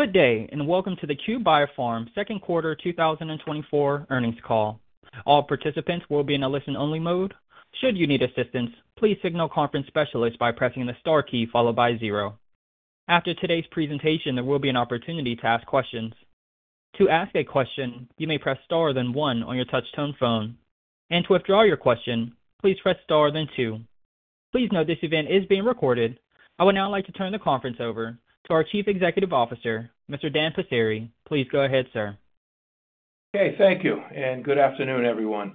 Good day, and welcome to the Cue Biopharma second quarter 2024 earnings call. All participants will be in a listen-only mode. Should you need assistance, please signal conference specialist by pressing the star key followed by zero. After today's presentation, there will be an opportunity to ask questions. To ask a question, you may press star, then one on your touchtone phone, and to withdraw your question, please press star, then two. Please note this event is being recorded. I would now like to turn the conference over to our Chief Executive Officer, Mr. Dan Passeri. Please go ahead, sir. Okay, thank you, and good afternoon, everyone.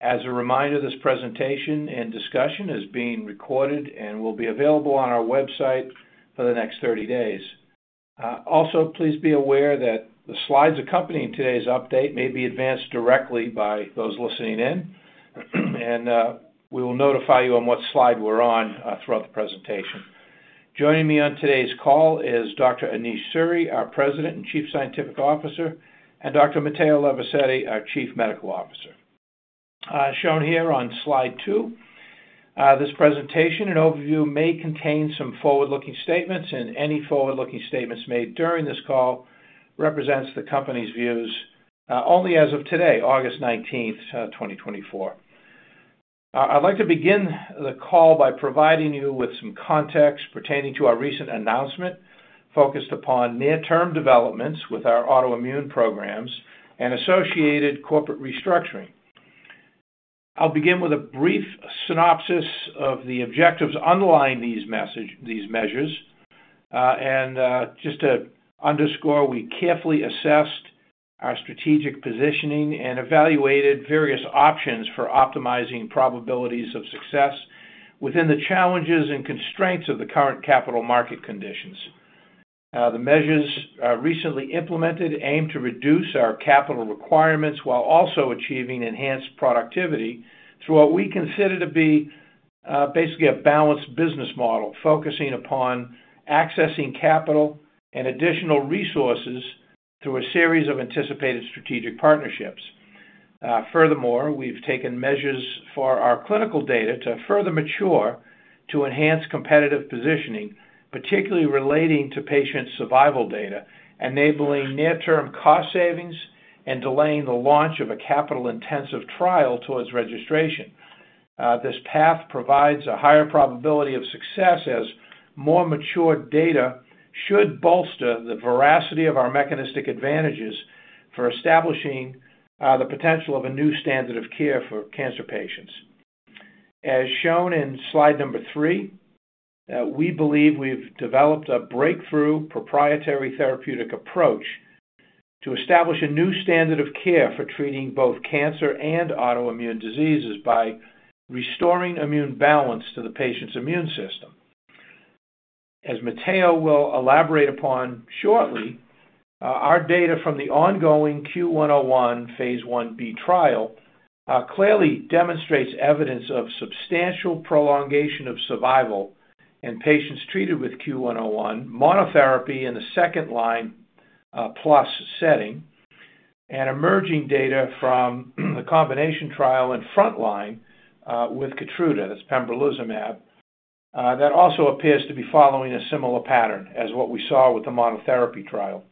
As a reminder, this presentation and discussion is being recorded and will be available on our website for the next 30 days. Also, please be aware that the slides accompanying today's update may be advanced directly by those listening in, and we will notify you on what slide we're on throughout the presentation. Joining me on today's call is Dr. Anish Suri, our President and Chief Scientific Officer, and Dr. Matteo Levisetti, our Chief Medical Officer. Shown here on slide two, this presentation and overview may contain some forward-looking statements, and any forward-looking statements made during this call represents the company's views only as of today, August 19, 2024. I'd like to begin the call by providing you with some context pertaining to our recent announcement, focused upon near-term developments with our autoimmune programs and associated corporate restructuring. I'll begin with a brief synopsis of the objectives underlying these measures, and just to underscore, we carefully assessed our strategic positioning and evaluated various options for optimizing probabilities of success within the challenges and constraints of the current capital market conditions. The measures recently implemented aim to reduce our capital requirements while also achieving enhanced productivity through what we consider to be basically a balanced business model, focusing upon accessing capital and additional resources through a series of anticipated strategic partnerships. Furthermore, we've taken measures for our clinical data to further mature to enhance competitive positioning, particularly relating to patient survival data, enabling near-term cost savings and delaying the launch of a capital-intensive trial towards registration. This path provides a higher probability of success as more mature data should bolster the veracity of our mechanistic advantages for establishing the potential of a new standard of care for cancer patients. As shown in slide number three, we believe we've developed a breakthrough proprietary therapeutic approach to establish a new standard of care for treating both cancer and autoimmune diseases by restoring immune balance to the patient's immune system. As Matteo will elaborate upon shortly, our data from the ongoing CUE-101 phase I-B trial clearly demonstrates evidence of substantial prolongation of survival in patients treated with CUE-101 monotherapy in the second line, plus setting and emerging data from the combination trial and frontline, with Keytruda, that's Pembrolizumab, that also appears to be following a similar pattern as what we saw with the monotherapy trial.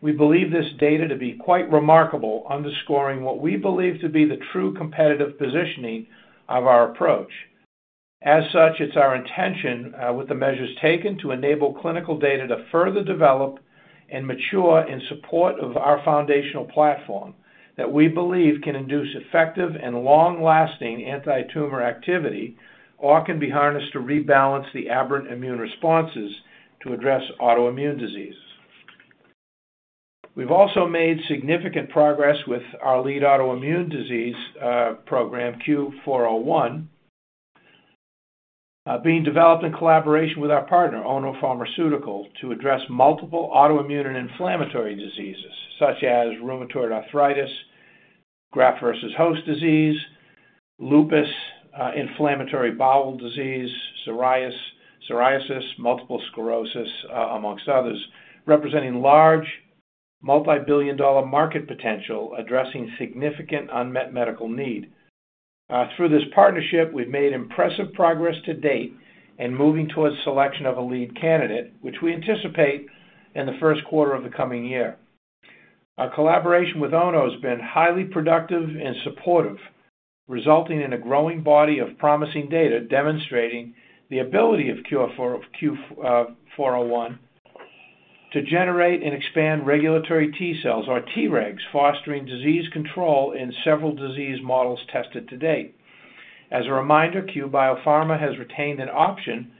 We believe this data to be quite remarkable, underscoring what we believe to be the true competitive positioning of our approach. As such, it's our intention, with the measures taken, to enable clinical data to further develop and mature in support of our foundational platform that we believe can induce effective and long-lasting antitumor activity or can be harnessed to rebalance the aberrant immune responses to address autoimmune disease. We've also made significant progress with our lead autoimmune disease program, CUE-401, being developed in collaboration with our partner, Ono Pharmaceutical, to address multiple autoimmune and inflammatory diseases, such as rheumatoid arthritis, graft-versus-host disease, lupus, inflammatory bowel disease, psoriasis, multiple sclerosis, among others, representing large, multi-billion-dollar market potential, addressing significant unmet medical need. Through this partnership, we've made impressive progress to date in moving towards selection of a lead candidate, which we anticipate in the first quarter of the coming year. Our collaboration with Ono has been highly productive and supportive, resulting in a growing body of promising data demonstrating the ability of CUE-401 to generate and expand regulatory T-cells or Tregs, fostering disease control in several disease models tested to date. As a reminder, Cue Biopharma has retained an option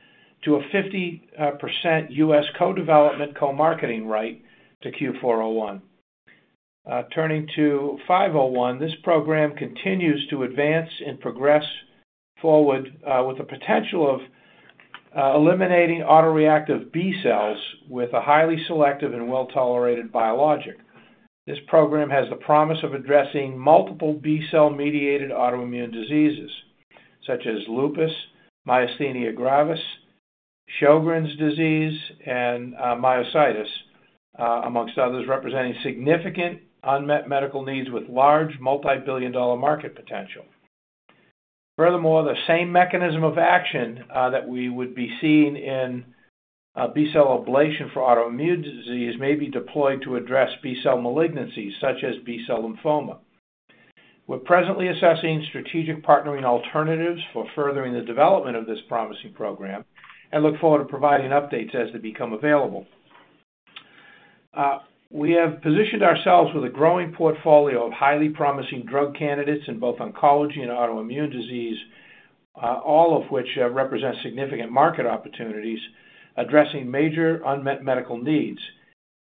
to a 50% U.S. co-development, co-marketing right to CUE-401. Turning to CUE-501, this program continues to advance and progress forward with the potential of eliminating autoreactive B-cells with a highly selective and well-tolerated biologic. This program has the promise of addressing multiple B-cell-mediated autoimmune diseases such as lupus, Myasthenia gravis, Sjögren's disease, and myositis, among others, representing significant unmet medical needs with large multi-billion dollar market potential. Furthermore, the same mechanism of action that we would be seeing in B-cell ablation for autoimmune disease may be deployed to address B-cell malignancies such as B-cell lymphoma. We're presently assessing strategic partnering alternatives for furthering the development of this promising program, and look forward to providing updates as they become available. We have positioned ourselves with a growing portfolio of highly promising drug candidates in both oncology and autoimmune disease, all of which represent significant market opportunities, addressing major unmet medical needs.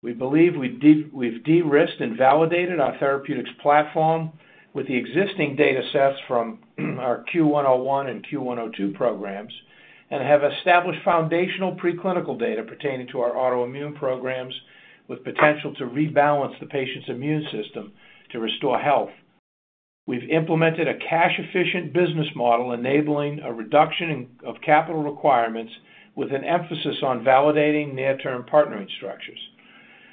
We believe we've de-risked and validated our therapeutics platform with the existing datasets from our CUE-101 and Q102 programs, and have established foundational preclinical data pertaining to our autoimmune programs, with potential to rebalance the patient's immune system to restore health. We've implemented a cash-efficient business model, enabling a reduction of capital requirements, with an emphasis on validating near-term partnering structures.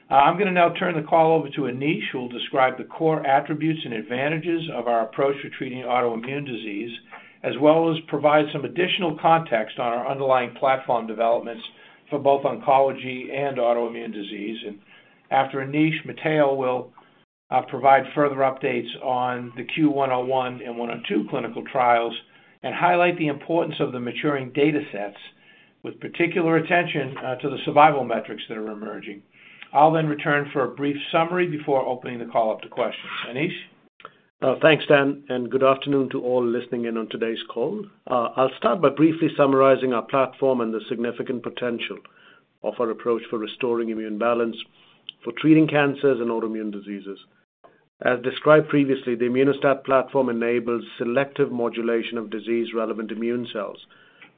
I'm gonna now turn the call over to Anish, who will describe the core attributes and advantages of our approach to treating autoimmune disease, as well as provide some additional context on our underlying platform developments for both oncology and autoimmune disease. After Anish, Matteo will provide further updates on the CUE-101 and 102 clinical trials, and highlight the importance of the maturing datasets, with particular attention to the survival metrics that are emerging. I'll then return for a brief summary before opening the call up to questions. Anish? Thanks, Dan, and good afternoon to all listening in on today's call. I'll start by briefly summarizing our platform and the significant potential of our approach for restoring immune balance for treating cancers and autoimmune diseases. As described previously, the Immuno-STAT platform enables selective modulation of disease-relevant immune cells,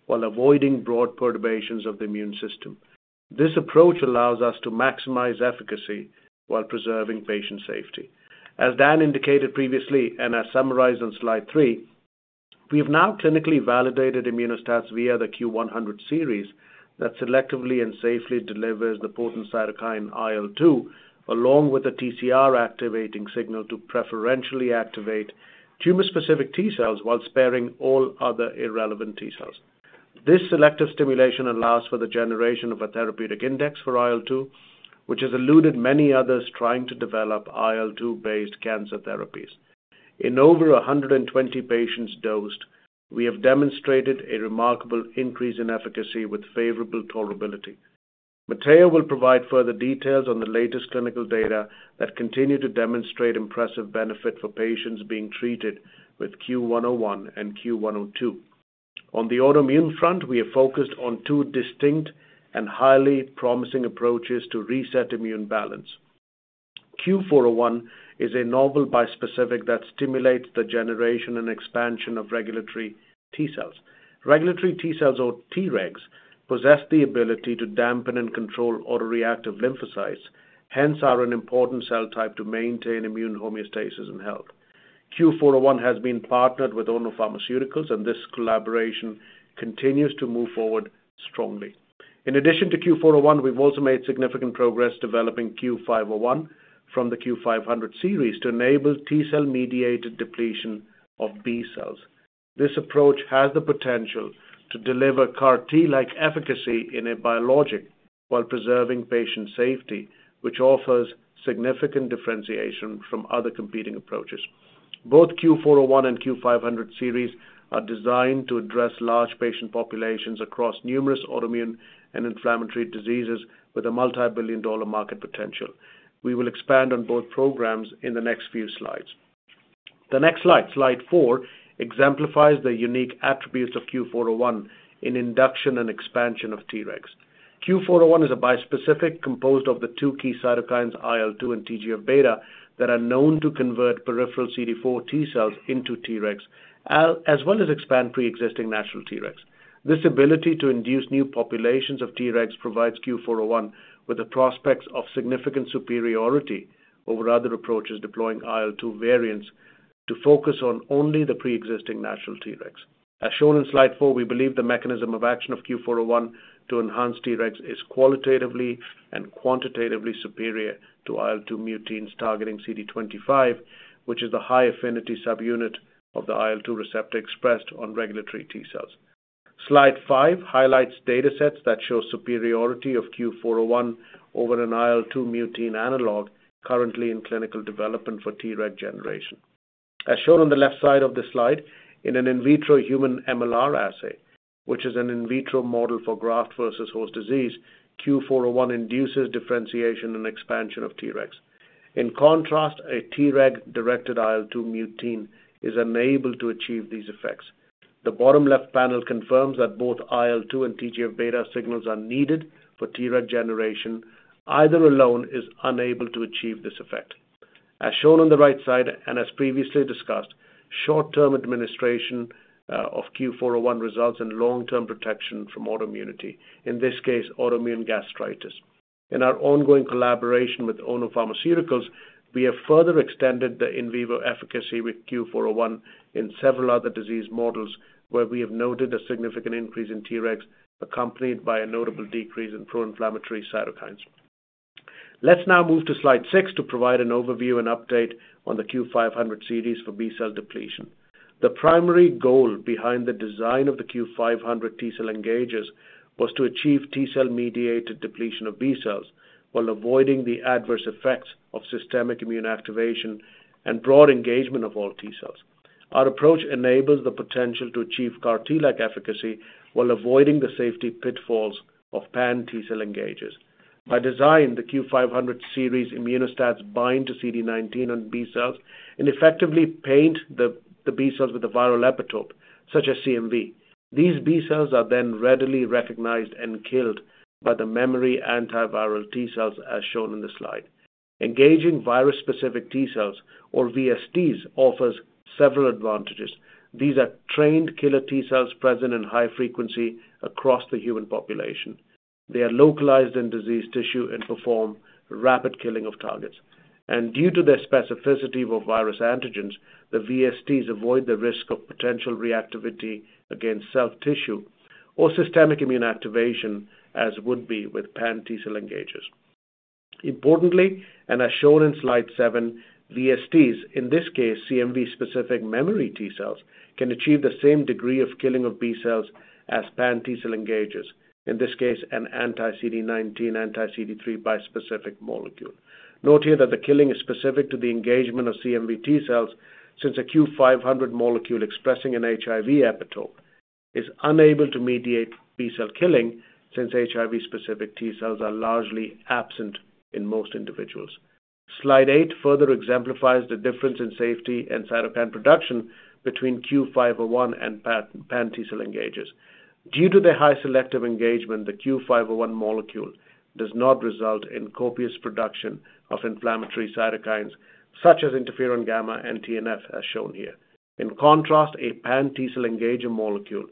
while avoiding broad perturbations of the immune system. This approach allows us to maximize efficacy while preserving patient safety. As Dan indicated previously, and as summarized on slide three, we have now clinically validated Immuno-STATs via the Q100 series, that selectively and safely delivers the potent cytokine IL-2, along with the TCR activating signal, to preferentially activate tumor-specific T-cells while sparing all other T-cells. this selective stimulation allows for the generation of a therapeutic index for IL-2, which has eluded many others trying to develop IL-2-based cancer therapies. In over a 120 patients dosed, we have demonstrated a remarkable increase in efficacy with favorable tolerability. Matteo will provide further details on the latest clinical data that continue to demonstrate impressive benefit for patients being treated with CUE-101 and Q102. On the autoimmune front, we are focused on two distinct and highly promising approaches to reset immune balance. CUE-401 is a novel bispecific that stimulates the generation and expansion of T-cells. regulatory T-cells, or Tregs, possess the ability to dampen and control autoreactive lymphocytes, hence are an important cell type to maintain immune homeostasis and health. CUE-401 has been partnered with Ono Pharmaceuticals, and this collaboration continues to move forward strongly. In addition to CUE-401, we've also made significant progress developing CUE-501 from the CUE-500 series, to enable T-cell-mediated depletion of B-cells. This approach has the potential to deliver CAR-T-like efficacy in a biologic while preserving patient safety, which offers significant differentiation from other competing approaches. Both CUE-401 and CUE-500 series are designed to address large patient populations across numerous autoimmune and inflammatory diseases, with a multi-billion-dollar market potential. We will expand on both programs in the next few slides. The next slide, slide four, exemplifies the unique attributes of CUE-401 in induction and expansion of Tregs. CUE-401 is a bispecific composed of the two key cytokines, IL-2 and TGF-beta, that are known to convert peripheral CD4 T-cells into Tregs, as well as expand preexisting natural Tregs. This ability to induce new populations of Tregs provides CUE-401 with the prospects of significant superiority over other approaches deploying IL-2 variants, to focus on only the preexisting natural Tregs. As shown in slide four, we believe the mechanism of action of CUE-401 to enhance Tregs is qualitatively and quantitatively superior to IL-2 muteins targeting CD25, which is the high-affinity subunit of the IL-2 receptor expressed on regulatory T-cells. Slide five highlights datasets that show superiority of CUE-401 over an IL-2 mutein analog currently in clinical development for Treg generation. As shown on the left side of this slide, in an in-vitro human MLR assay, which is an in vitro model for graft-versus-host disease, CUE-401 induces differentiation and expansion of Tregs. In contrast, a Treg-directed IL-2 mutein is unable to achieve these effects. The bottom left panel confirms that both IL-2 and TGF-beta signals are needed for Treg generation. Either alone is unable to achieve this effect. As shown on the right side, and as previously discussed, short-term administration of CUE-401 results in long-term protection from autoimmunity, in this case, autoimmune gastritis. In our ongoing collaboration with Ono Pharmaceuticals, we have further extended the in vivo efficacy with CUE-401 in several other disease models, where we have noted a significant increase in Tregs, accompanied by a notable decrease in pro-inflammatory cytokines. Let's now move to Slide six to provide an overview and update on the CUE-500 series for B-cell depletion. The primary goal behind the design of the CUE-500 T-cell engagers was to achieve T-cell-mediated depletion of B-cells, while avoiding the adverse effects of systemic immune activation and broad engagement of all T-cells. Our approach enables the potential to achieve CAR-T-like efficacy while avoiding the safety pitfalls of pan-T cell engagers. By design, the CUE-500 series Immuno-STATs bind to CD19 on B-cells and effectively paint the B-cells with a viral epitope, such as CMV. These B-cells are then readily recognized and killed by the memory antiviral T-cells, as shown in the slide. Engaging virus-specific T-cells, or VSTs, offers several advantages. These are trained killer T-cells present in high frequency across the human population. They are localized in diseased tissue and perform rapid killing of targets, and due to their specificity of virus antigens, the VSTs avoid the risk of potential reactivity against self-tissue or systemic immune activation, as would be with pan-T cell engagers. Importantly, and as shown in Slide seven, VSTs, in this case, CMV-specific memory T-cells, can achieve the same degree of killing of B-cells as pan-T cell engagers, in this case, an anti-CD19, anti-CD3 bispecific molecule. Note here that the killing is specific to the engagement of CMV T-cells, since a CUE-500 molecule expressing an HIV epitope is unable to mediate B-cell killing, since HIV-specific T-cells are largely absent in most individuals. Slide eight further exemplifies the difference in safety and cytokine production between CUE-501 and pan-T cell engagers. Due to the high selective engagement, the CUE-501 molecule does not result in copious production of inflammatory cytokines such as interferon gamma and TNF, as shown here. In contrast, a pan-T cell engager molecule,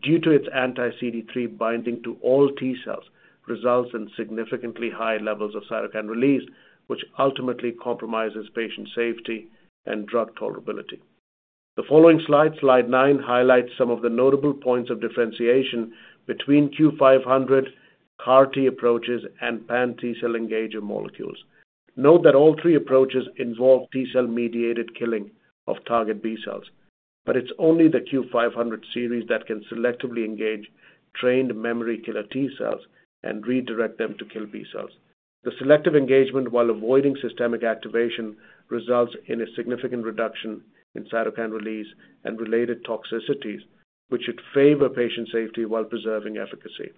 due to its anti-CD3 binding to all T-cells, results in significantly high levels of cytokine release, which ultimately compromises patient safety and drug tolerability. The following slide, Slide nine, highlights some of the notable points of differentiation between CUE-500, CAR-T approaches, and pan-T cell engager molecules. Note that all three approaches involve T cell-mediated killing of target B-cells, but it's only the CUE-500 series that can selectively engage trained memory killer T-cells and redirect them to kill B-cells. The selective engagement, while avoiding systemic activation, results in a significant reduction in cytokine release and related toxicities, which should favor patient safety while preserving efficacy.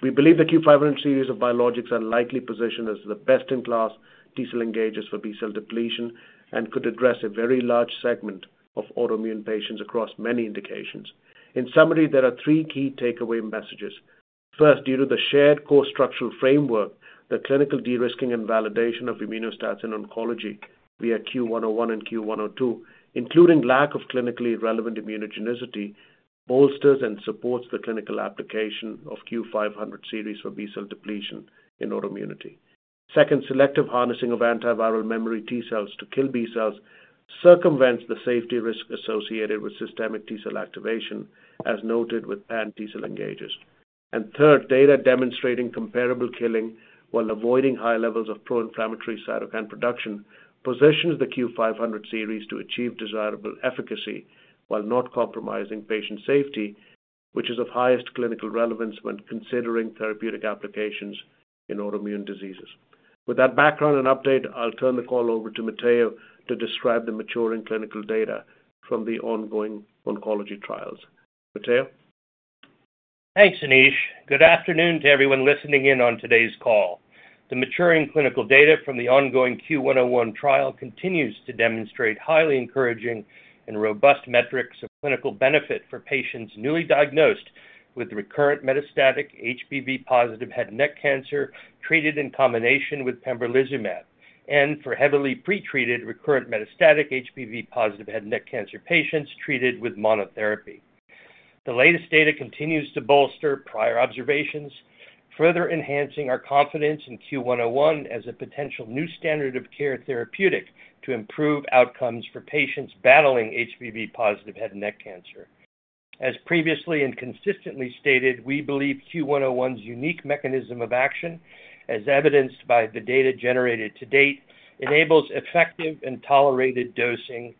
We believe the CUE-500 series of biologics are likely positioned as the best-in-class T-cell engagers for B-cell depletion and could address a very large segment of autoimmune patients across many indications. In summary, there are three key takeaway messages. First, due to the shared core structural framework, the clinical de-risking and validation of Immuno-STATs in oncology via CUE-101 and Q102, including lack of clinically relevant immunogenicity, bolsters and supports the clinical application of CUE-500 series for B-cell depletion in autoimmunity. Second, selective harnessing of antiviral memory T-cells to kill B-cells circumvents the safety risk associated with systemic T cell activation, as noted with pan-T cell engagers. And third, data demonstrating comparable killing while avoiding high levels of pro-inflammatory cytokine production positions the CUE-500 series to achieve desirable efficacy while not compromising patient safety, which is of highest clinical relevance when considering therapeutic applications in autoimmune diseases. With that background and update, I'll turn the call over to Matteo to describe the maturing clinical data from the ongoing oncology trials. Matteo? Thanks, Anish. Good afternoon to everyone listening in on today's call. The maturing clinical data from the ongoing CUE-101 trial continues to demonstrate highly encouraging and robust metrics of clinical benefit for patients newly diagnosed with recurrent metastatic HPV-positive head and neck cancer, treated in combination with Pembrolizumab, and for heavily pretreated recurrent metastatic HPV-positive head and neck cancer patients treated with monotherapy. The latest data continues to bolster prior observations, further enhancing our confidence in CUE-101 as a potential new standard of care therapeutic to improve outcomes for patients battling HPV-positive head and neck cancer. As previously and consistently stated, we believe CUE-101's unique mechanism of action, as evidenced by the data generated to date, enables effective and tolerated dosing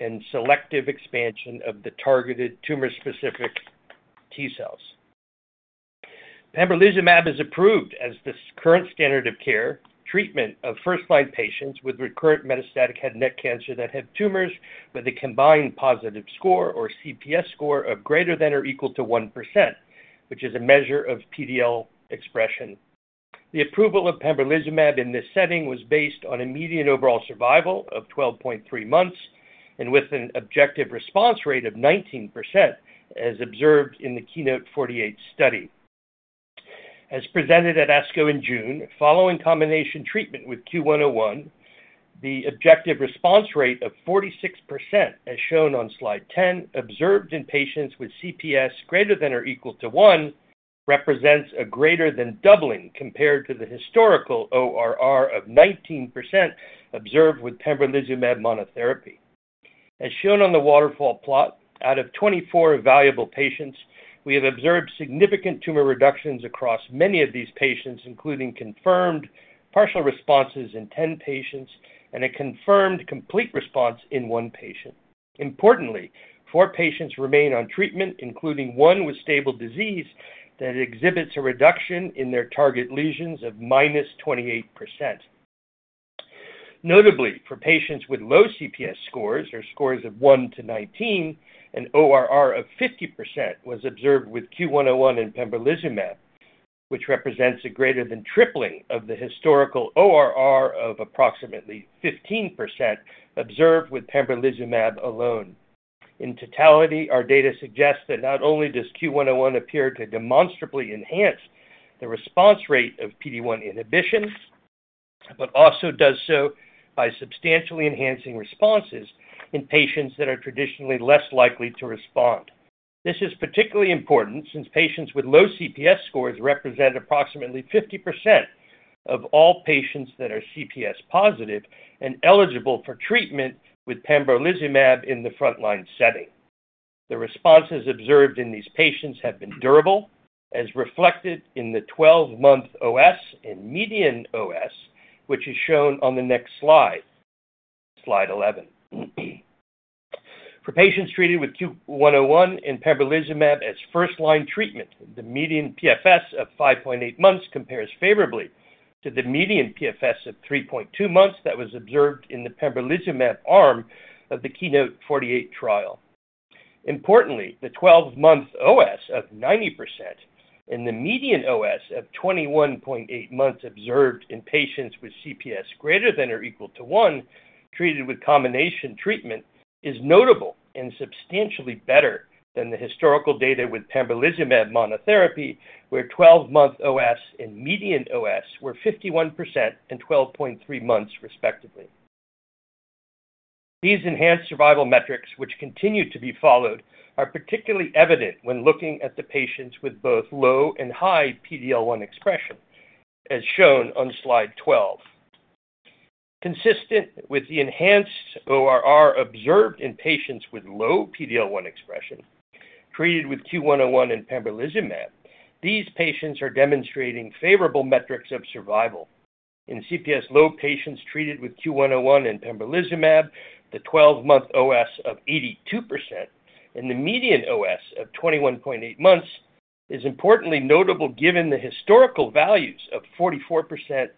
and selective expansion of the targeted tumor-specific T-cells. Pembrolizumab is approved as the current standard of care treatment for first-line patients with recurrent metastatic head and neck cancer that have tumors with a combined positive score, or CPS score, of greater than or equal to 1%, which is a measure of PD-L1 expression. The approval of Pembrolizumab in this setting was based on median overall survival of 12.3 months, and with an objective response rate of 19%, as observed in the KEYNOTE-48 study. As presented at ASCO in June, following combination treatment with CUE-101, the objective response rate of 46%, as shown on Slide 10, observed in patients with CPS greater than or equal to 1, represents a greater than doubling compared to the historical ORR of 19% observed with Pembrolizumab monotherapy. As shown on the waterfall plot, out of 24 evaluable patients, we have observed significant tumor reductions across many of these patients, including confirmed partial responses in 10 patients and a confirmed complete response in one patient. Importantly, 4 patients remain on treatment, including one with stable disease that exhibits a reduction in their target lesions of minus 28%. Notably, for patients with low CPS scores or scores of 1 to 19, an ORR of 50% was observed with CUE-101 and Pembrolizumab, which represents a greater than tripling of the historical ORR of approximately 15% observed with Pembrolizumab alone. In totality, our data suggests that not only does CUE-101 appear to demonstrably enhance the response rate of PD-1 inhibition, but also does so by substantially enhancing responses in patients that are traditionally less likely to respond. This is particularly important since patients with low CPS scores represent approximately 50% of all patients that are CPS positive and eligible for treatment with Pembrolizumab in the frontline setting. The responses observed in these patients have been durable, as reflected in the 12-month OS and median OS, which is shown on the next slide, slide 11. For patients treated with CUE-101 and Pembrolizumab as first-line treatment, the median PFS of 5.8 months compares favorably to the median PFS of 3.2 months that was observed in the Pembrolizumab arm of the KEYNOTE-48 trial. Importantly, the 12-month OS of 90% and the median OS of 21.8 months observed in patients with CPS greater than or equal to 1, treated with combination treatment, is notable and substantially better than the historical data with Pembrolizumab monotherapy, where 12-month OS and median OS were 51% and 12.3 months, respectively. These enhanced survival metrics, which continue to be followed, are particularly evident when looking at the patients with both low and high PD-L1 expression, as shown on slide 12. Consistent with the enhanced ORR observed in patients with low PD-L1 expression, treated with CUE-101 and Pembrolizumab, these patients are demonstrating favorable metrics of survival. In CPS-low patients treated with CUE-101 and Pembrolizumab, the 12-month OS of 82% and the median OS of 21.8 months is importantly notable given the historical values of 44%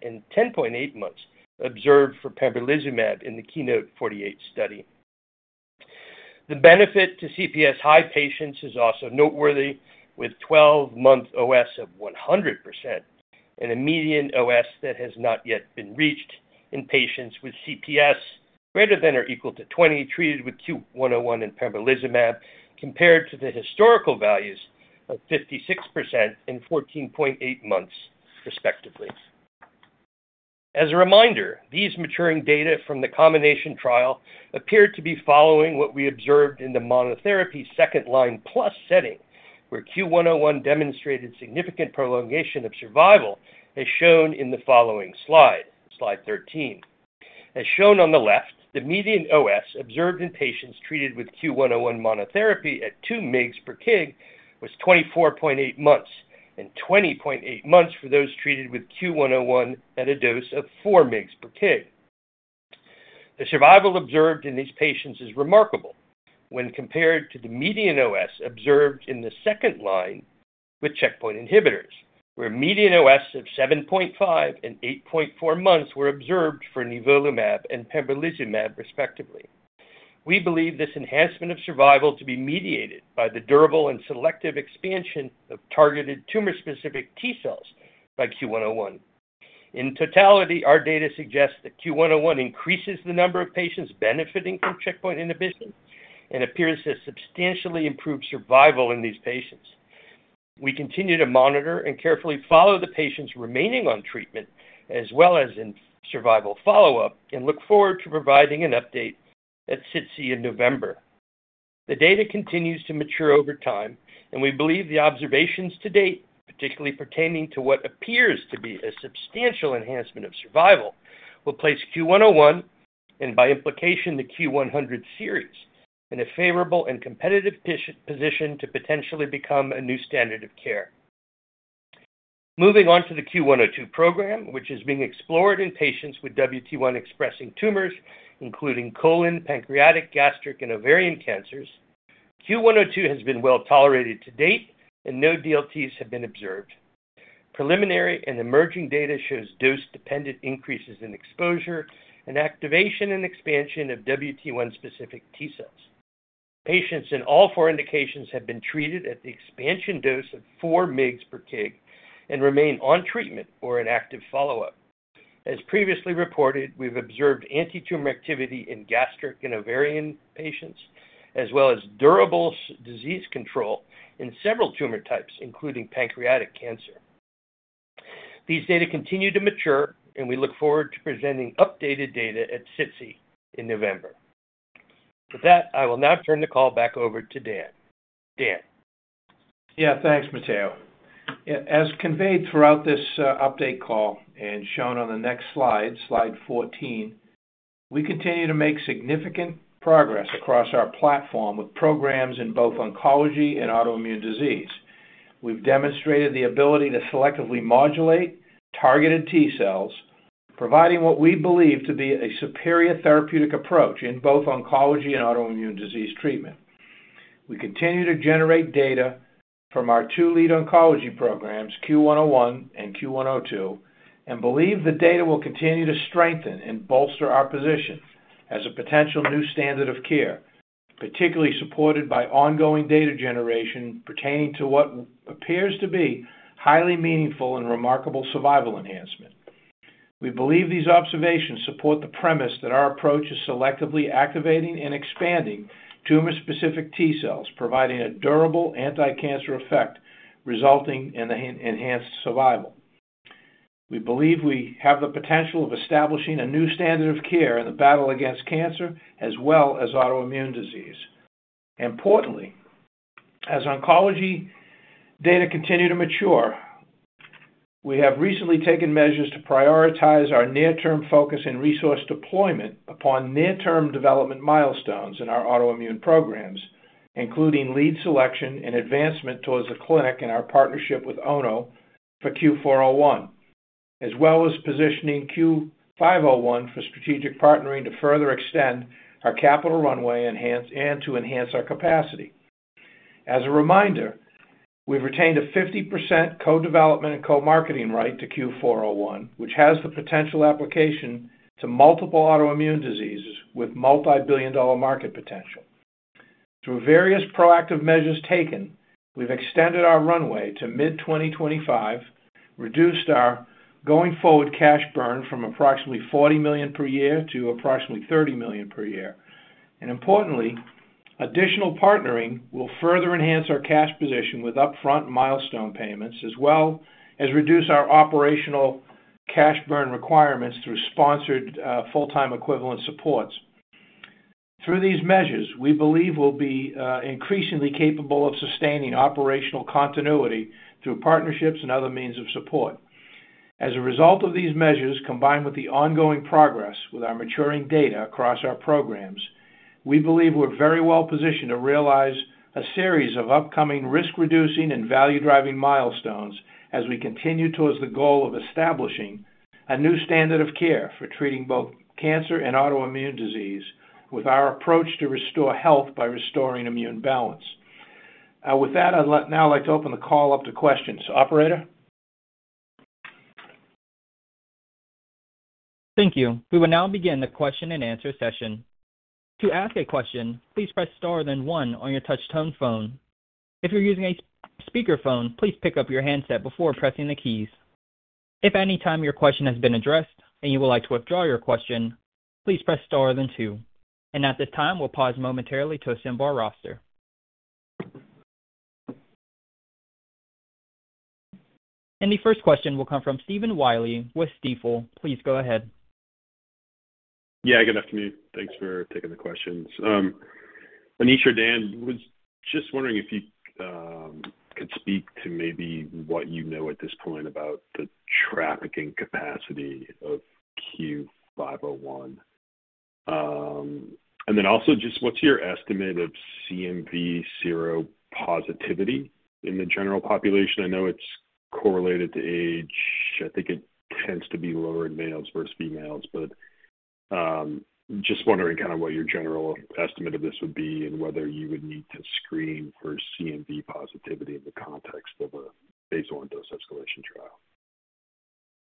and 10.8 months observed for Pembrolizumab in the KEYNOTE-48 study. The benefit to CPS-high patients is also noteworthy, with 12-month OS of 100% and a median OS that has not yet been reached in patients with CPS greater than or equal to 20, treated with CUE-101 and Pembrolizumab, compared to the historical values of 56% and 14.8 months, respectively. As a reminder, these maturing data from the combination trial appear to be following what we observed in the monotherapy second-line plus setting, where CUE-101 demonstrated significant prolongation of survival, as shown in the following slide, slide 13. As shown on the left, the median OS observed in patients treated with CUE-101 monotherapy at 2 mg/kg was 24.8 months, and 20.8 months for those treated with CUE-101 at a dose of 4 mg/kg. The survival observed in these patients is remarkable when compared to the median OS observed in the second line with checkpoint inhibitors, where median OS of 7.5 and 8.4 months were observed for Nivolumab and Pembrolizumab, respectively. We believe this enhancement of survival to be mediated by the durable and selective expansion of targeted tumor-specific T-cells by CUE-101. In totality, our data suggests that CUE-101 increases the number of patients benefiting from checkpoint inhibition and appears to substantially improve survival in these patients. We continue to monitor and carefully follow the patients remaining on treatment, as well as in survival follow-up, and look forward to providing an update at SITC in November. The data continues to mature over time, and we believe the observations to date, particularly pertaining to what appears to be a substantial enhancement of survival, will place CUE-101, and by implication, the Q100 series, in a favorable and competitive position to potentially become a new standard of care. Moving on to the Q102 program, which is being explored in patients with WT1-expressing tumors, including colon, pancreatic, gastric, and ovarian cancers. Q102 has been well tolerated to date, and no DLTs have been observed. Preliminary and emerging data shows dose-dependent increases in exposure and activation and expansion of WT1-specific T-cells. Patients in all four indications have been treated at the expansion dose of four mg per kg and remain on treatment or in active follow-up. As previously reported, we've observed antitumor activity in gastric and ovarian patients, as well as durable stable disease control in several tumor types, including pancreatic cancer. These data continue to mature, and we look forward to presenting updated data at SITC in November. With that, I will now turn the call back over to Dan. Dan?... Yeah, thanks, Matteo. Yeah, as conveyed throughout this update call and shown on the next slide, slide fourteen, we continue to make significant progress across our platform of programs in both oncology and autoimmune disease. We've demonstrated the ability to selectively modulate targeted T-cells, providing what we believe to be a superior therapeutic approach in both oncology and autoimmune disease treatment. We continue to generate data from our two-lead oncology programs, CUE-101 and Q102, and believe the data will continue to strengthen and bolster our position as a potential new standard of care, particularly supported by ongoing data generation pertaining to what appears to be highly meaningful and remarkable survival enhancement. We believe these observations support the premise that our approach is selectively activating and expanding tumor-specific T-cells, providing a durable anticancer effect, resulting in the enhanced survival. We believe we have the potential of establishing a new standard of care in the battle against cancer as well as autoimmune disease. Importantly, as oncology data continue to mature, we have recently taken measures to prioritize our near-term focus and resource deployment upon near-term development milestones in our autoimmune programs, including lead selection and advancement towards the clinic and our partnership with Ono for CUE-401, as well as positioning CUE-501 for strategic partnering to further extend our capital runway, enhance our capacity. As a reminder, we've retained a 50% co-development and co-marketing right to CUE-401, which has the potential application to multiple autoimmune diseases with multibillion-dollar market potential. Through various proactive measures taken, we've extended our runway to mid-2025, reduced our going-forward cash burn from approximately $40 million per year to approximately $30 million per year. And importantly, additional partnering will further enhance our cash position with upfront milestone payments, as well as reduce our operational cash burn requirements through sponsored full-time equivalent supports. Through these measures, we believe we'll be increasingly capable of sustaining operational continuity through partnerships and other means of support. As a result of these measures, combined with the ongoing progress with our maturing data across our programs, we believe we're very well positioned to realize a series of upcoming risk-reducing and value-driving milestones as we continue towards the goal of establishing a new standard of care for treating both cancer and autoimmune disease with our approach to restore health by restoring immune balance. With that, I'd like now to open the call up to questions. Operator? Thank you. We will now begin the question-and-answer session. To ask a question, please press star then one on your touch-tone phone. If you're using a speakerphone, please pick up your handset before pressing the keys. If at any time your question has been addressed and you would like to withdraw your question, please press star then two. And at this time, we'll pause momentarily to assemble our roster. And the first question will come from Stephen Willey with Stifel. Please go ahead. Yeah, good afternoon. Thanks for taking the questions. Anish or Dan, was just wondering if you could speak to maybe what you know at this point about the trafficking capacity of CUE-501. And then also, just what's your estimate of CMV seropositivity in the general population? I know it's correlated to age. I think it tends to be lower in males versus females, but just wondering kind of what your general estimate of this would be and whether you would need to screen for CMV positivity in the context of a phase one dose-escalation trial.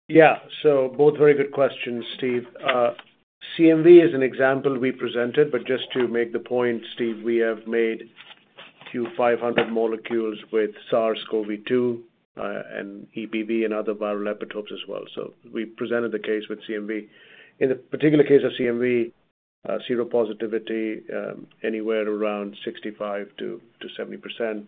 Yeah. So both very good questions, Steve. CMV is an example we presented, but just to make the point, Steve, we have made CUE-500 molecules with SARS-CoV-2 and EBV and other viral epitopes as well. So we presented the case with CMV. In the particular case of CMV, seropositivity anywhere around 65% to 70%.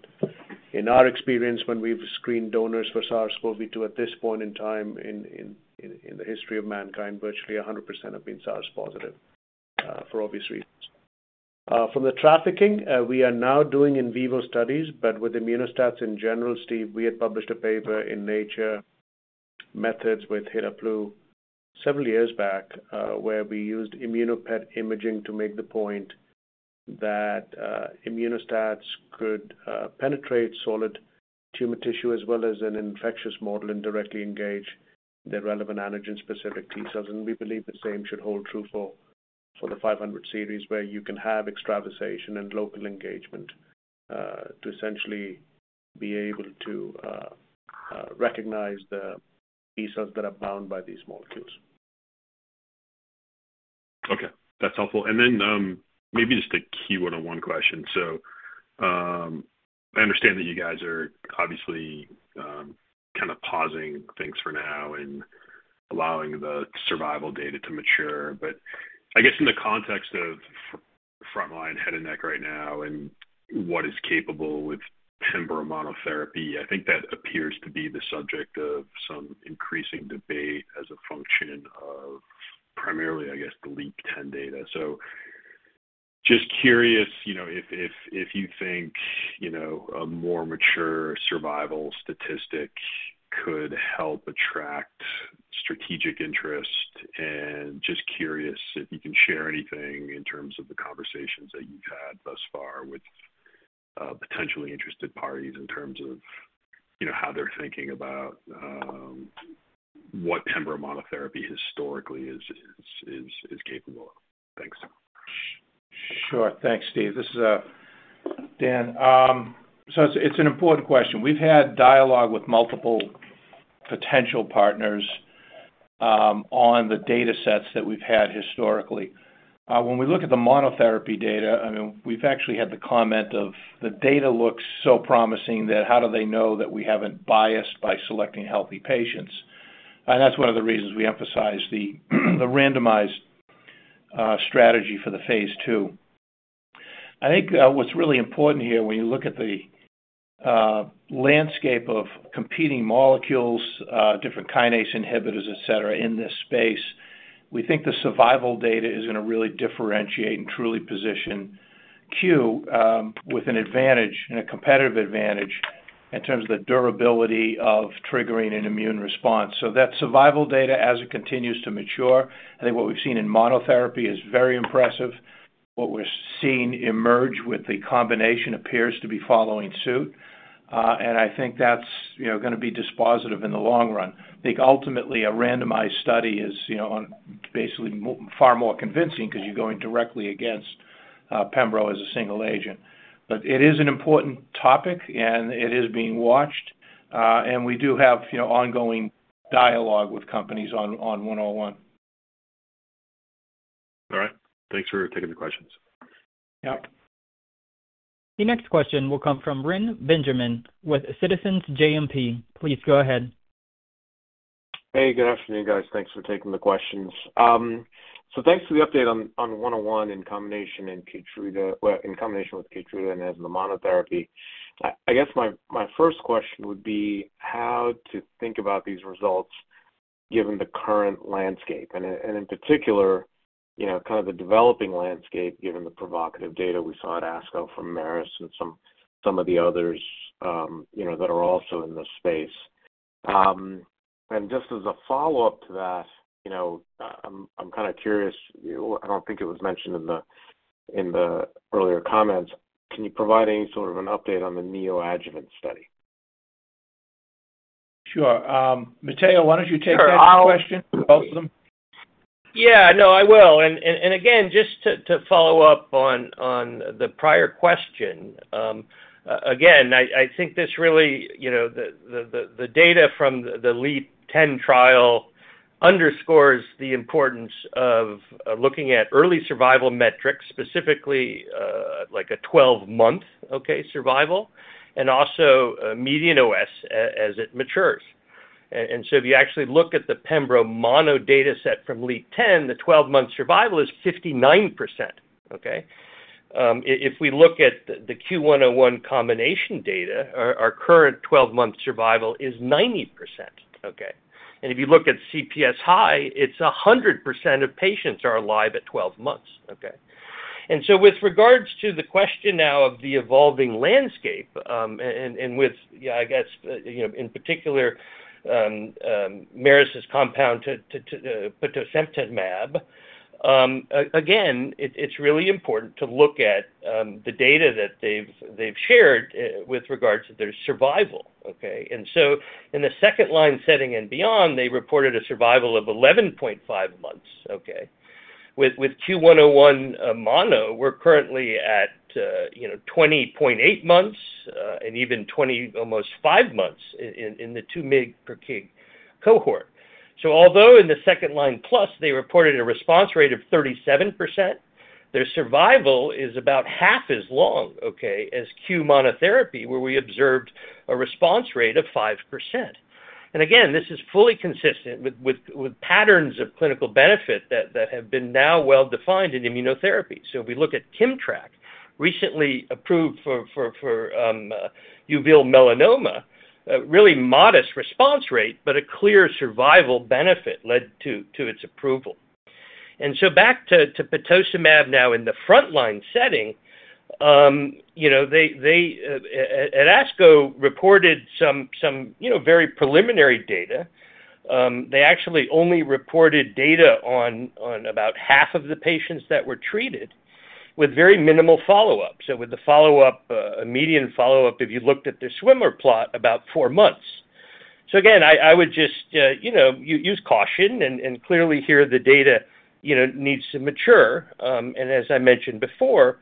In our experience, when we've screened donors for SARS-CoV-2, at this point in time, in the history of mankind, virtually 100% have been SARS positive for obvious reasons. From the trafficking, we are now doing in vivo studies, but with Immuno-STATs in general, Steve, we had published a paper in Nature Methods with Hidde several years back, where we used immunoPET imaging to make the point that Immuno-STATs could penetrate solid tumor tissue as well as an infectious model and directly engage the relevant antigen-specific T-cells. We believe the same should hold true for the 500 series, where you can have extravasation and local engagement to essentially be able to recognize the T-cells that are bound by these molecules. Okay, that's helpful. And then, maybe just a CUE-101 question. So, I understand that you guys are obviously kind of pausing things for now and allowing the survival data to mature. But I guess in the context of frontline head and neck right now and what is capable with pembro monotherapy, I think that appears to be the subject of some increasing debate as a function of primarily, I guess, the LEAP-10 data. Just curious, you know, if you think, you know, a more mature survival statistic could help attract strategic interest. And just curious if you can share anything in terms of the conversations that you've had thus far with potentially interested parties, in terms of, you know, how they're thinking about what pembro monotherapy historically is capable of? Thanks. Sure. Thanks, Steve. This is, Dan. So it's, it's an important question. We've had dialogue with multiple potential partners, on the data sets that we've had historically. When we look at the monotherapy data, I mean, we've actually had the comment of the data looks so promising that how do they know that we haven't biased by selecting healthy patients? And that's one of the reasons we emphasize the randomized strategy for the phase II. I think, what's really important here, when you look at the landscape of competing molecules, different kinase inhibitors, et cetera, in this space, we think the survival data is gonna really differentiate and truly position Q, with an advantage, and a competitive advantage, in terms of the durability of triggering an immune response. So that survival data as it continues to mature, I think what we've seen in monotherapy is very impressive. What we're seeing emerge with the combination appears to be following suit. And I think that's, you know, gonna be dispositive in the long run. I think ultimately a randomized study is, you know, on basically far more convincing because you're going directly against pembro as a single agent. But it is an important topic, and it is being watched, and we do have, you know, ongoing dialogue with companies on one oh one. All right. Thanks for taking the questions. Yep. The next question will come from Reni Benjamin with Citizens JMP. Please go ahead. Hey, good afternoon, guys. Thanks for taking the questions. So thanks for the update on CUE-101 in combination with Keytruda and as the monotherapy. I guess my first question would be how to think about these results given the current landscape, and in particular, you know, kind of the developing landscape, given the provocative data we saw at ASCO from Merus and some of the others, you know, that are also in this space. And just as a follow-up to that, you know, I'm kind of curious, you know, I don't think it was mentioned in the earlier comments. Can you provide any sort of an update on the neoadjuvant study? Sure. Matteo, why don't you take that question, both of them? Yeah, no, I will. And again, just to follow up on the prior question, again, I think this really, you know, the data from the LEAP-10 trial underscores the importance of looking at early survival metrics, specifically, like a twelve-month, okay, survival, and also, median OS, as it matures. And so if you actually look at the pembro mono data set from LEAP-10, the 12 month survival is 59%, okay? If we look at the CUE-101 combination data, our current twelve-month survival is 90%, okay? And if you look at CPS high, it's 100% of patients are alive at twelve months, okay? So with regards to the question now of the evolving landscape, and with yeah, I guess you know in particular Merus's compound Petosemtamab. Again, it's really important to look at the data that they've shared with regards to their survival, okay? And so in the second line setting and beyond, they reported a survival of 11.5 months, okay? With Q one oh one mono, we're currently at you know 20.8 months, and even twenty almost five months in the two mg per kg cohort. So although in the second line plus, they reported a response rate of 37%, their survival is about half as long, okay, as Q monotherapy, where we observed a response rate of 5%. Again, this is fully consistent with patterns of clinical benefit that have been now well-defined in immunotherapy. If we look at Kimmtrak, recently approved for uveal melanoma, a really modest response rate, but a clear survival benefit led to its approval. Back to Petosemtamab now in the frontline setting, you know, they at ASCO reported some you know very preliminary data. They actually only reported data on about half of the patients that were treated with very minimal follow-up. With the follow-up, median follow-up, if you looked at the swimmer plot, about four months. Again, I would just you know use caution and clearly here, the data you know needs to mature. And as I mentioned before,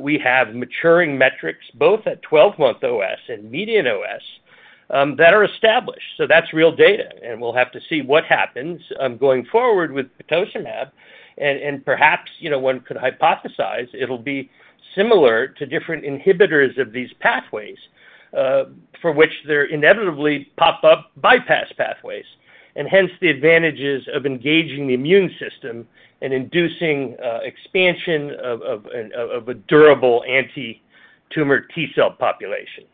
we have maturing metrics both at twelve-month OS and median OS that are established. So that's real data, and we'll have to see what happens going forward with Petosemtamab. And perhaps, you know, one could hypothesize it'll be similar to different inhibitors of these pathways, for which they're inevitably pop up bypass pathways, and hence the advantages of engaging the immune system and inducing expansion of a durable anti-tumor T-cell population. ...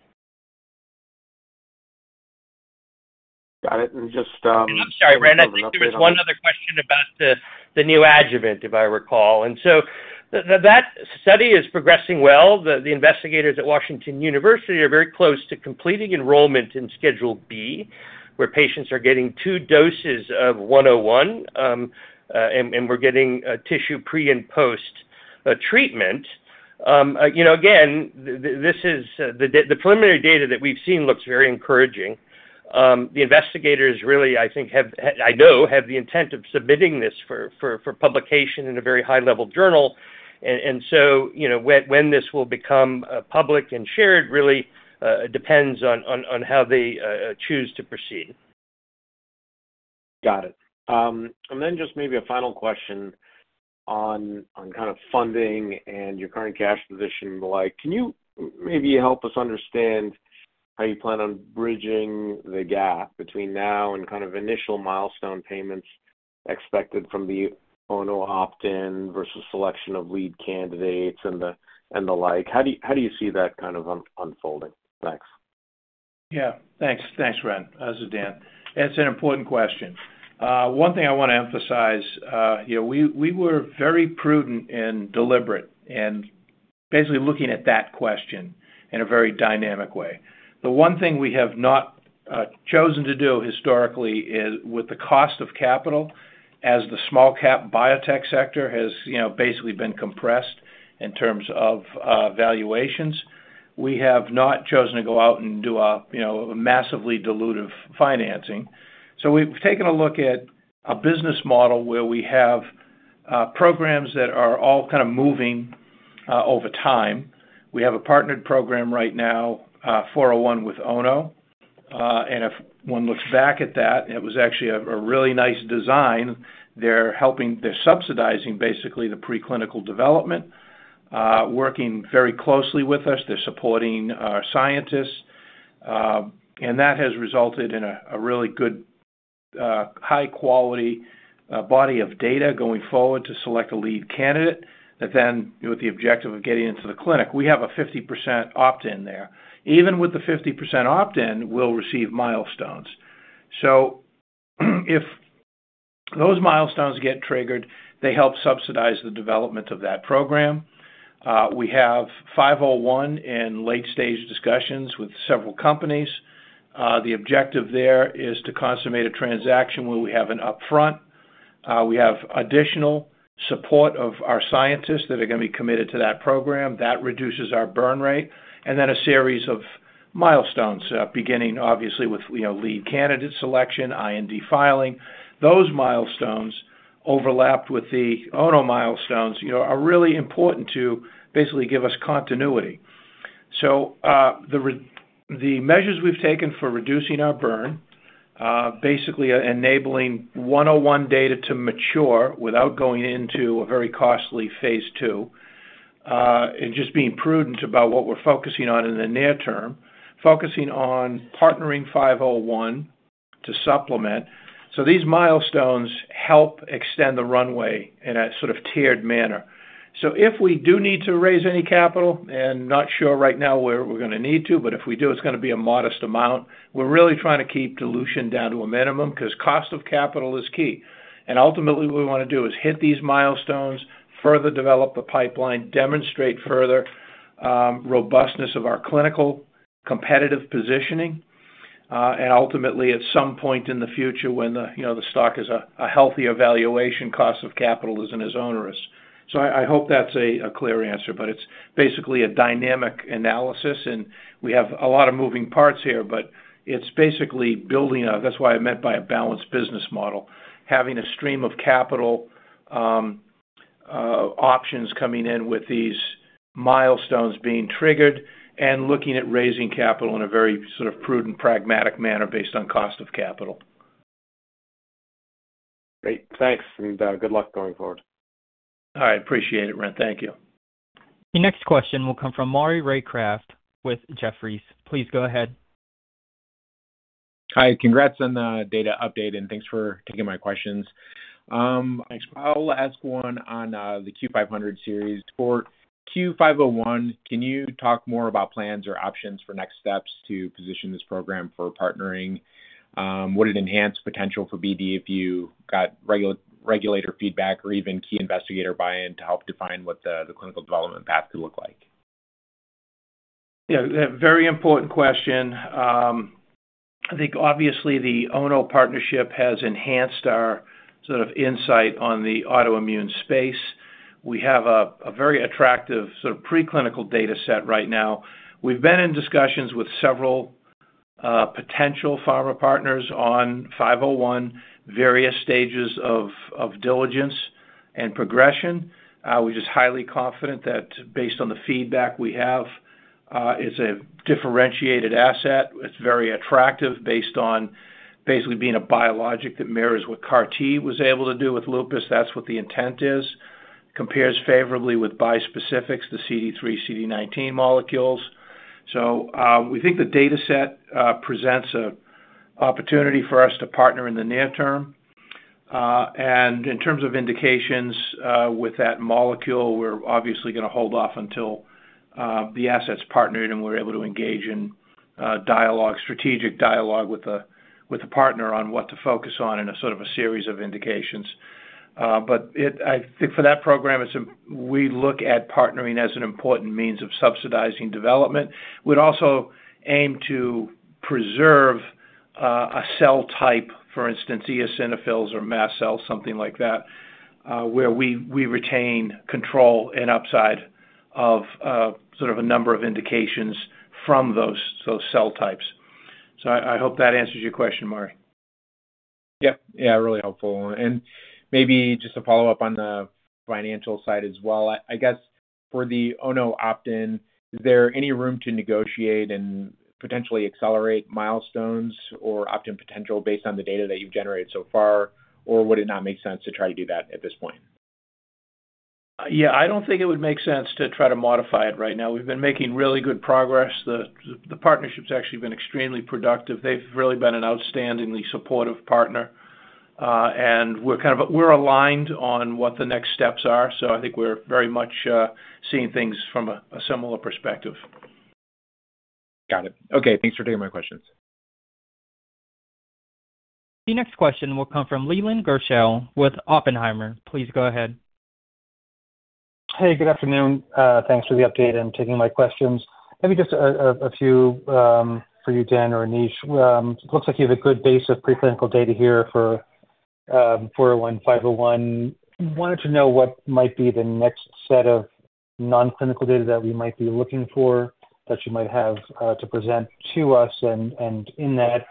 I just I'm sorry, Ren, I think there was one other question about the neoadjuvant, if I recall. So that study is progressing well. The investigators at Washington University are very close to completing enrollment in Schedule B, where patients are getting two doses of 101, and we're getting tissue pre and post treatment. You know, again, this is the preliminary data that we've seen looks very encouraging. The investigators really, I think, have the intent of submitting this for publication in a very high-level journal. So, you know, when this will become public and shared really depends on how they choose to proceed. Got it. And then just maybe a final question on kind of funding and your current cash position and the like. Can you maybe help us understand how you plan on bridging the gap between now and kind of initial milestone payments expected from the Ono opt-in versus selection of lead candidates and the like? How do you see that kind of unfolding? Thanks. Yeah. Thanks. Thanks, Ren. This is Dan. It's an important question. One thing I wanna emphasize, you know, we were very prudent and deliberate, and basically looking at that question in a very dynamic way. The one thing we have not chosen to do historically is, with the cost of capital, as the small cap biotech sector has, you know, basically been compressed in terms of valuations, we have not chosen to go out and do a, you know, massively dilutive financing. So we've taken a look at a business model where we have programs that are all kind of moving over time. We have a partnered program right now, for a one with Ono. And if one looks back at that, it was actually a really nice design. They're helping... They're subsidizing, basically, the preclinical development, working very closely with us. They're supporting our scientists, and that has resulted in a really good, high quality, body of data going forward to select a lead candidate, that then, with the objective of getting into the clinic, we have a 50% opt-in there. Even with the 50% opt-in, we'll receive milestones. So, if those milestones get triggered, they help subsidize the development of that program. We have 501 in late stage discussions with several companies. The objective there is to consummate a transaction where we have an upfront, we have additional support of our scientists that are gonna be committed to that program. That reduces our burn rate, and then a series of milestones, beginning obviously with, you know, lead candidate selection, IND filing. Those milestones, overlapped with the Ono milestones, you know, are really important to basically give us continuity. So, the measures we've taken for reducing our burn, basically, enabling CUE-101 data to mature without going into a very costly phase II, and just being prudent about what we're focusing on in the near term, focusing on partnering CUE-501 to supplement. So these milestones help extend the runway in a sort of tiered manner. So if we do need to raise any capital, and not sure right now whether we're gonna need to, but if we do, it's gonna be a modest amount. We're really trying to keep dilution down to a minimum because cost of capital is key. And ultimately, what we wanna do is hit these milestones, further develop the pipeline, demonstrate further robustness of our clinical competitive positioning, and ultimately, at some point in the future, when the you know, the stock is a healthier valuation, cost of capital isn't as onerous. So I hope that's a clear answer, but it's basically a dynamic analysis, and we have a lot of moving parts here, but it's basically building out. That's what I meant by a balanced business model, having a stream of capital options coming in with these milestones being triggered and looking at raising capital in a very sort of prudent, pragmatic manner based on cost of capital. Great. Thanks, and good luck going forward. All right. Appreciate it, Brent. Thank you. The next question will come from Maury Raycroft with Jefferies. Please go ahead. Hi, congrats on the data update, and thanks for taking my questions. Thanks. I'll ask one on the CUE-500 series. For CUE-501, can you talk more about plans or options for next steps to position this program for partnering? Would it enhance potential for BD if you got regulator feedback or even key investigator buy-in to help define what the clinical development path could look like? Yeah, a very important question. I think obviously the Ono partnership has enhanced our sort of insight on the autoimmune space. We have a very attractive sort of preclinical data set right now. We've been in discussions with several potential pharma partners on five oh one, various stages of diligence and progression. We're just highly confident that based on the feedback we have, it's a differentiated asset. It's very attractive based on basically being a biologic that mirrors what CAR T was able to do with lupus. That's what the intent is. Compares favorably with bispecifics, the CD3, CD19 molecules. So, we think the dataset presents a opportunity for us to partner in the near term.... And in terms of indications, with that molecule, we're obviously gonna hold off until the asset's partnered and we're able to engage in dialogue, strategic dialogue with a partner on what to focus on in a sort of a series of indications. But I think for that program, we look at partnering as an important means of subsidizing development. We'd also aim to preserve a cell type, for instance, eosinophils or mast cells, something like that, where we retain control and upside of sort of a number of indications from those cell types. So I hope that answers your question, Maury. Yep. Yeah, really helpful. And maybe just to follow up on the financial side as well. I, I guess for the Ono opt-in, is there any room to negotiate and potentially accelerate milestones or opt-in potential based on the data that you've generated so far? Or would it not make sense to try to do that at this point? Yeah, I don't think it would make sense to try to modify it right now. We've been making really good progress. The partnership's actually been extremely productive. They've really been an outstandingly supportive partner, and we're aligned on what the next steps are, so I think we're very much seeing things from a similar perspective. Got it. Okay, thanks for taking my questions. The next question will come from Leland Gershell with Oppenheimer. Please go ahead. Hey, good afternoon. Thanks for the update and taking my questions. Maybe just a few for you, Dan or Anish. Looks like you have a good base of preclinical data here for four oh one, five oh one. Wanted to know what might be the next set of nonclinical data that we might be looking for, that you might have to present to us. And in that,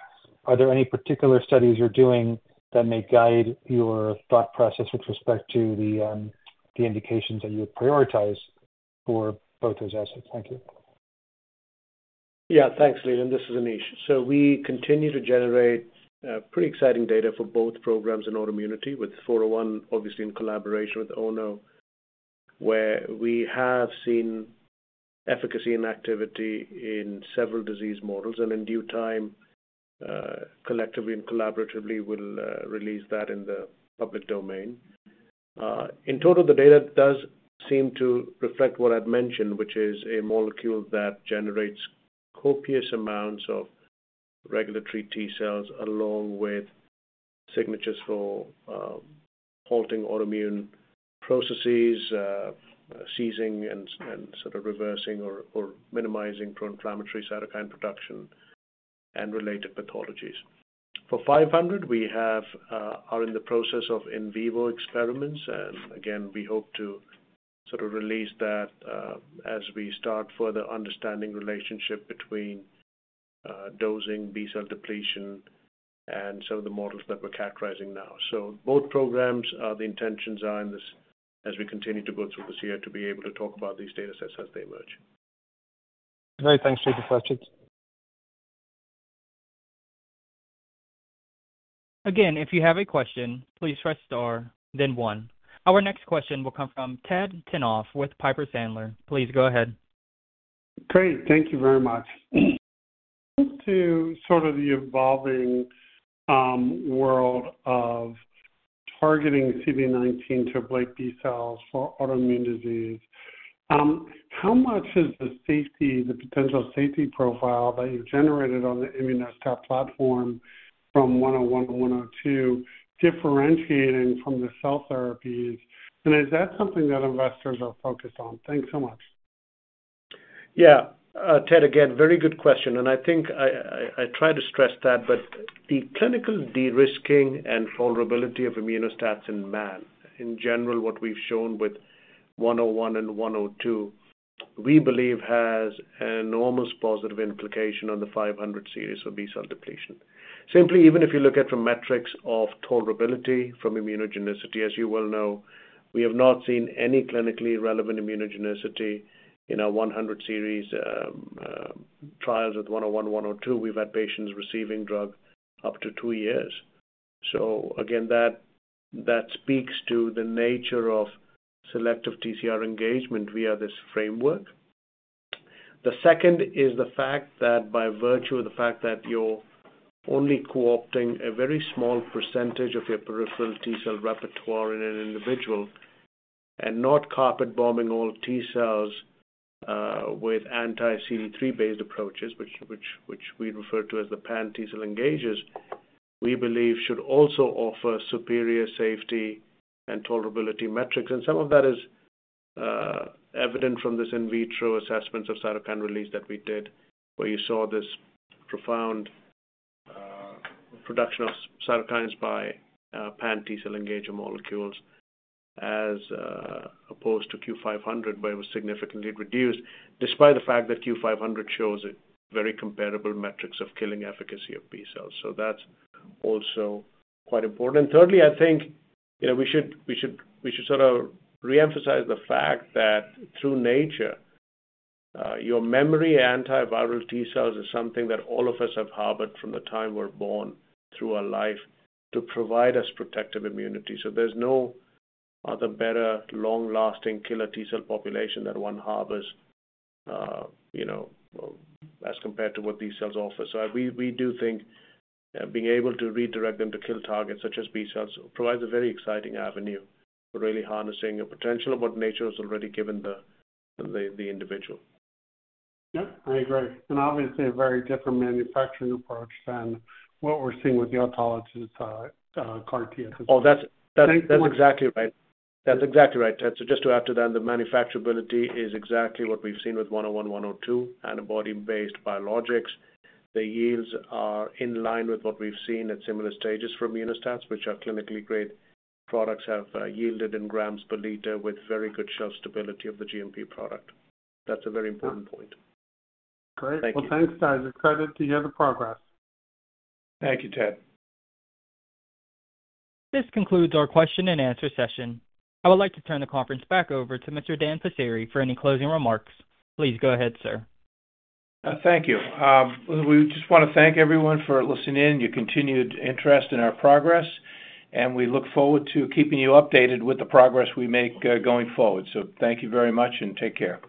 are there any particular studies you're doing that may guide your thought process with respect to the indications that you would prioritize for both those assets? Thank you. Yeah, thanks, Leland. This is Anish. So we continue to generate pretty exciting data for both programs in autoimmunity, with four oh one, obviously, in collaboration with Ono, where we have seen efficacy and activity in several disease models, and in due time, collectively and collaboratively, we'll release that in the public domain. In total, the data does seem to reflect what I've mentioned, which is a molecule that generates copious amounts of regulatory T-cells, along with signatures for halting autoimmune processes, seizing and sort of reversing or minimizing pro-inflammatory cytokine production and related pathologies. For five hundred, we are in the process of in vivo experiments, and again, we hope to sort of release that as we start further understanding the relationship between dosing, B-cell depletion, and some of the models that we're characterizing now. So both programs, the intentions are in this, as we continue to go through this year, to be able to talk about these datasets as they emerge. Great. Thanks for the questions. Again, if you have a question, please press star, then one. Our next question will come from Ted Tenthoff with Piper Sandler. Please go ahead. Great, thank you very much. To sort of the evolving world of targeting CD19 to ablate B-cells for autoimmune disease, how much is the safety, the potential safety profile that you've generated on the Immuno-STAT platform from 101 to 102, differentiating from the cell therapies? And is that something that investors are focused on? Thanks so much. Yeah. Ted, again, very good question, and I think I try to stress that, but the clinical de-risking and tolerability of Immuno-STATs in man, in general, what we've shown with one oh one and one oh two, we believe has an enormous positive implication on the five hundred series of B-cell depletion. Simply, even if you look at the metrics of tolerability from immunogenicity, as you well know, we have not seen any clinically relevant immunogenicity in our one hundred series trials with one oh one, one oh two. We've had patients receiving drug up to two years. So again, that speaks to the nature of selective TCR engagement via this framework. The second is the fact that by virtue of the fact that you're only co-opting a very small percentage of your peripheral T-cell repertoire in an individual, and not carpet bombing all T-cells with anti-CD3 based approaches, which we refer to as the pan-T cell engagers, we believe should also offer superior safety and tolerability metrics. And some of that is evident from this in vitro assessments of cytokine release that we did, where you saw this profound production of cytokines by pan-T cell engager molecules, as opposed to CUE-500, where it was significantly reduced, despite the fact that CUE-500 shows a very comparable metrics of killing efficacy of B-cells. So that's also quite important. Thirdly, I think, you know, we should sort of reemphasize the fact that through nature, your memory antiviral T-cells is something that all of us have harbored from the time we're born through our life to provide us protective immunity. So there's no other better long-lasting killer T-cell population that one harbors, you know, as compared to what these cells offer. So we do think, being able to redirect them to kill targets such as B-cells provides a very exciting avenue for really harnessing the potential of what nature has already given the individual. Yep, I agree. And obviously, a very different manufacturing approach than what we're seeing with the autologous CAR-T. Oh, that's, that's exactly right. That's exactly right, Ted. So just to add to that, the manufacturability is exactly what we've seen with one oh one, one oh two, antibody-based biologics. The yields are in line with what we've seen at similar stages for Immuno-STATs, which are clinically great products, have yielded in grams per liter with very good shelf stability of the GMP product. That's a very important point. Great. Thank you. Thanks, guys. Excited to hear the progress. Thank you, Ted. This concludes our question and answer session. I would like to turn the conference back over to Mr. Dan Passeri for any closing remarks. Please go ahead, sir. Thank you. We just want to thank everyone for listening in, your continued interest in our progress, and we look forward to keeping you updated with the progress we make, going forward, so thank you very much, and take care.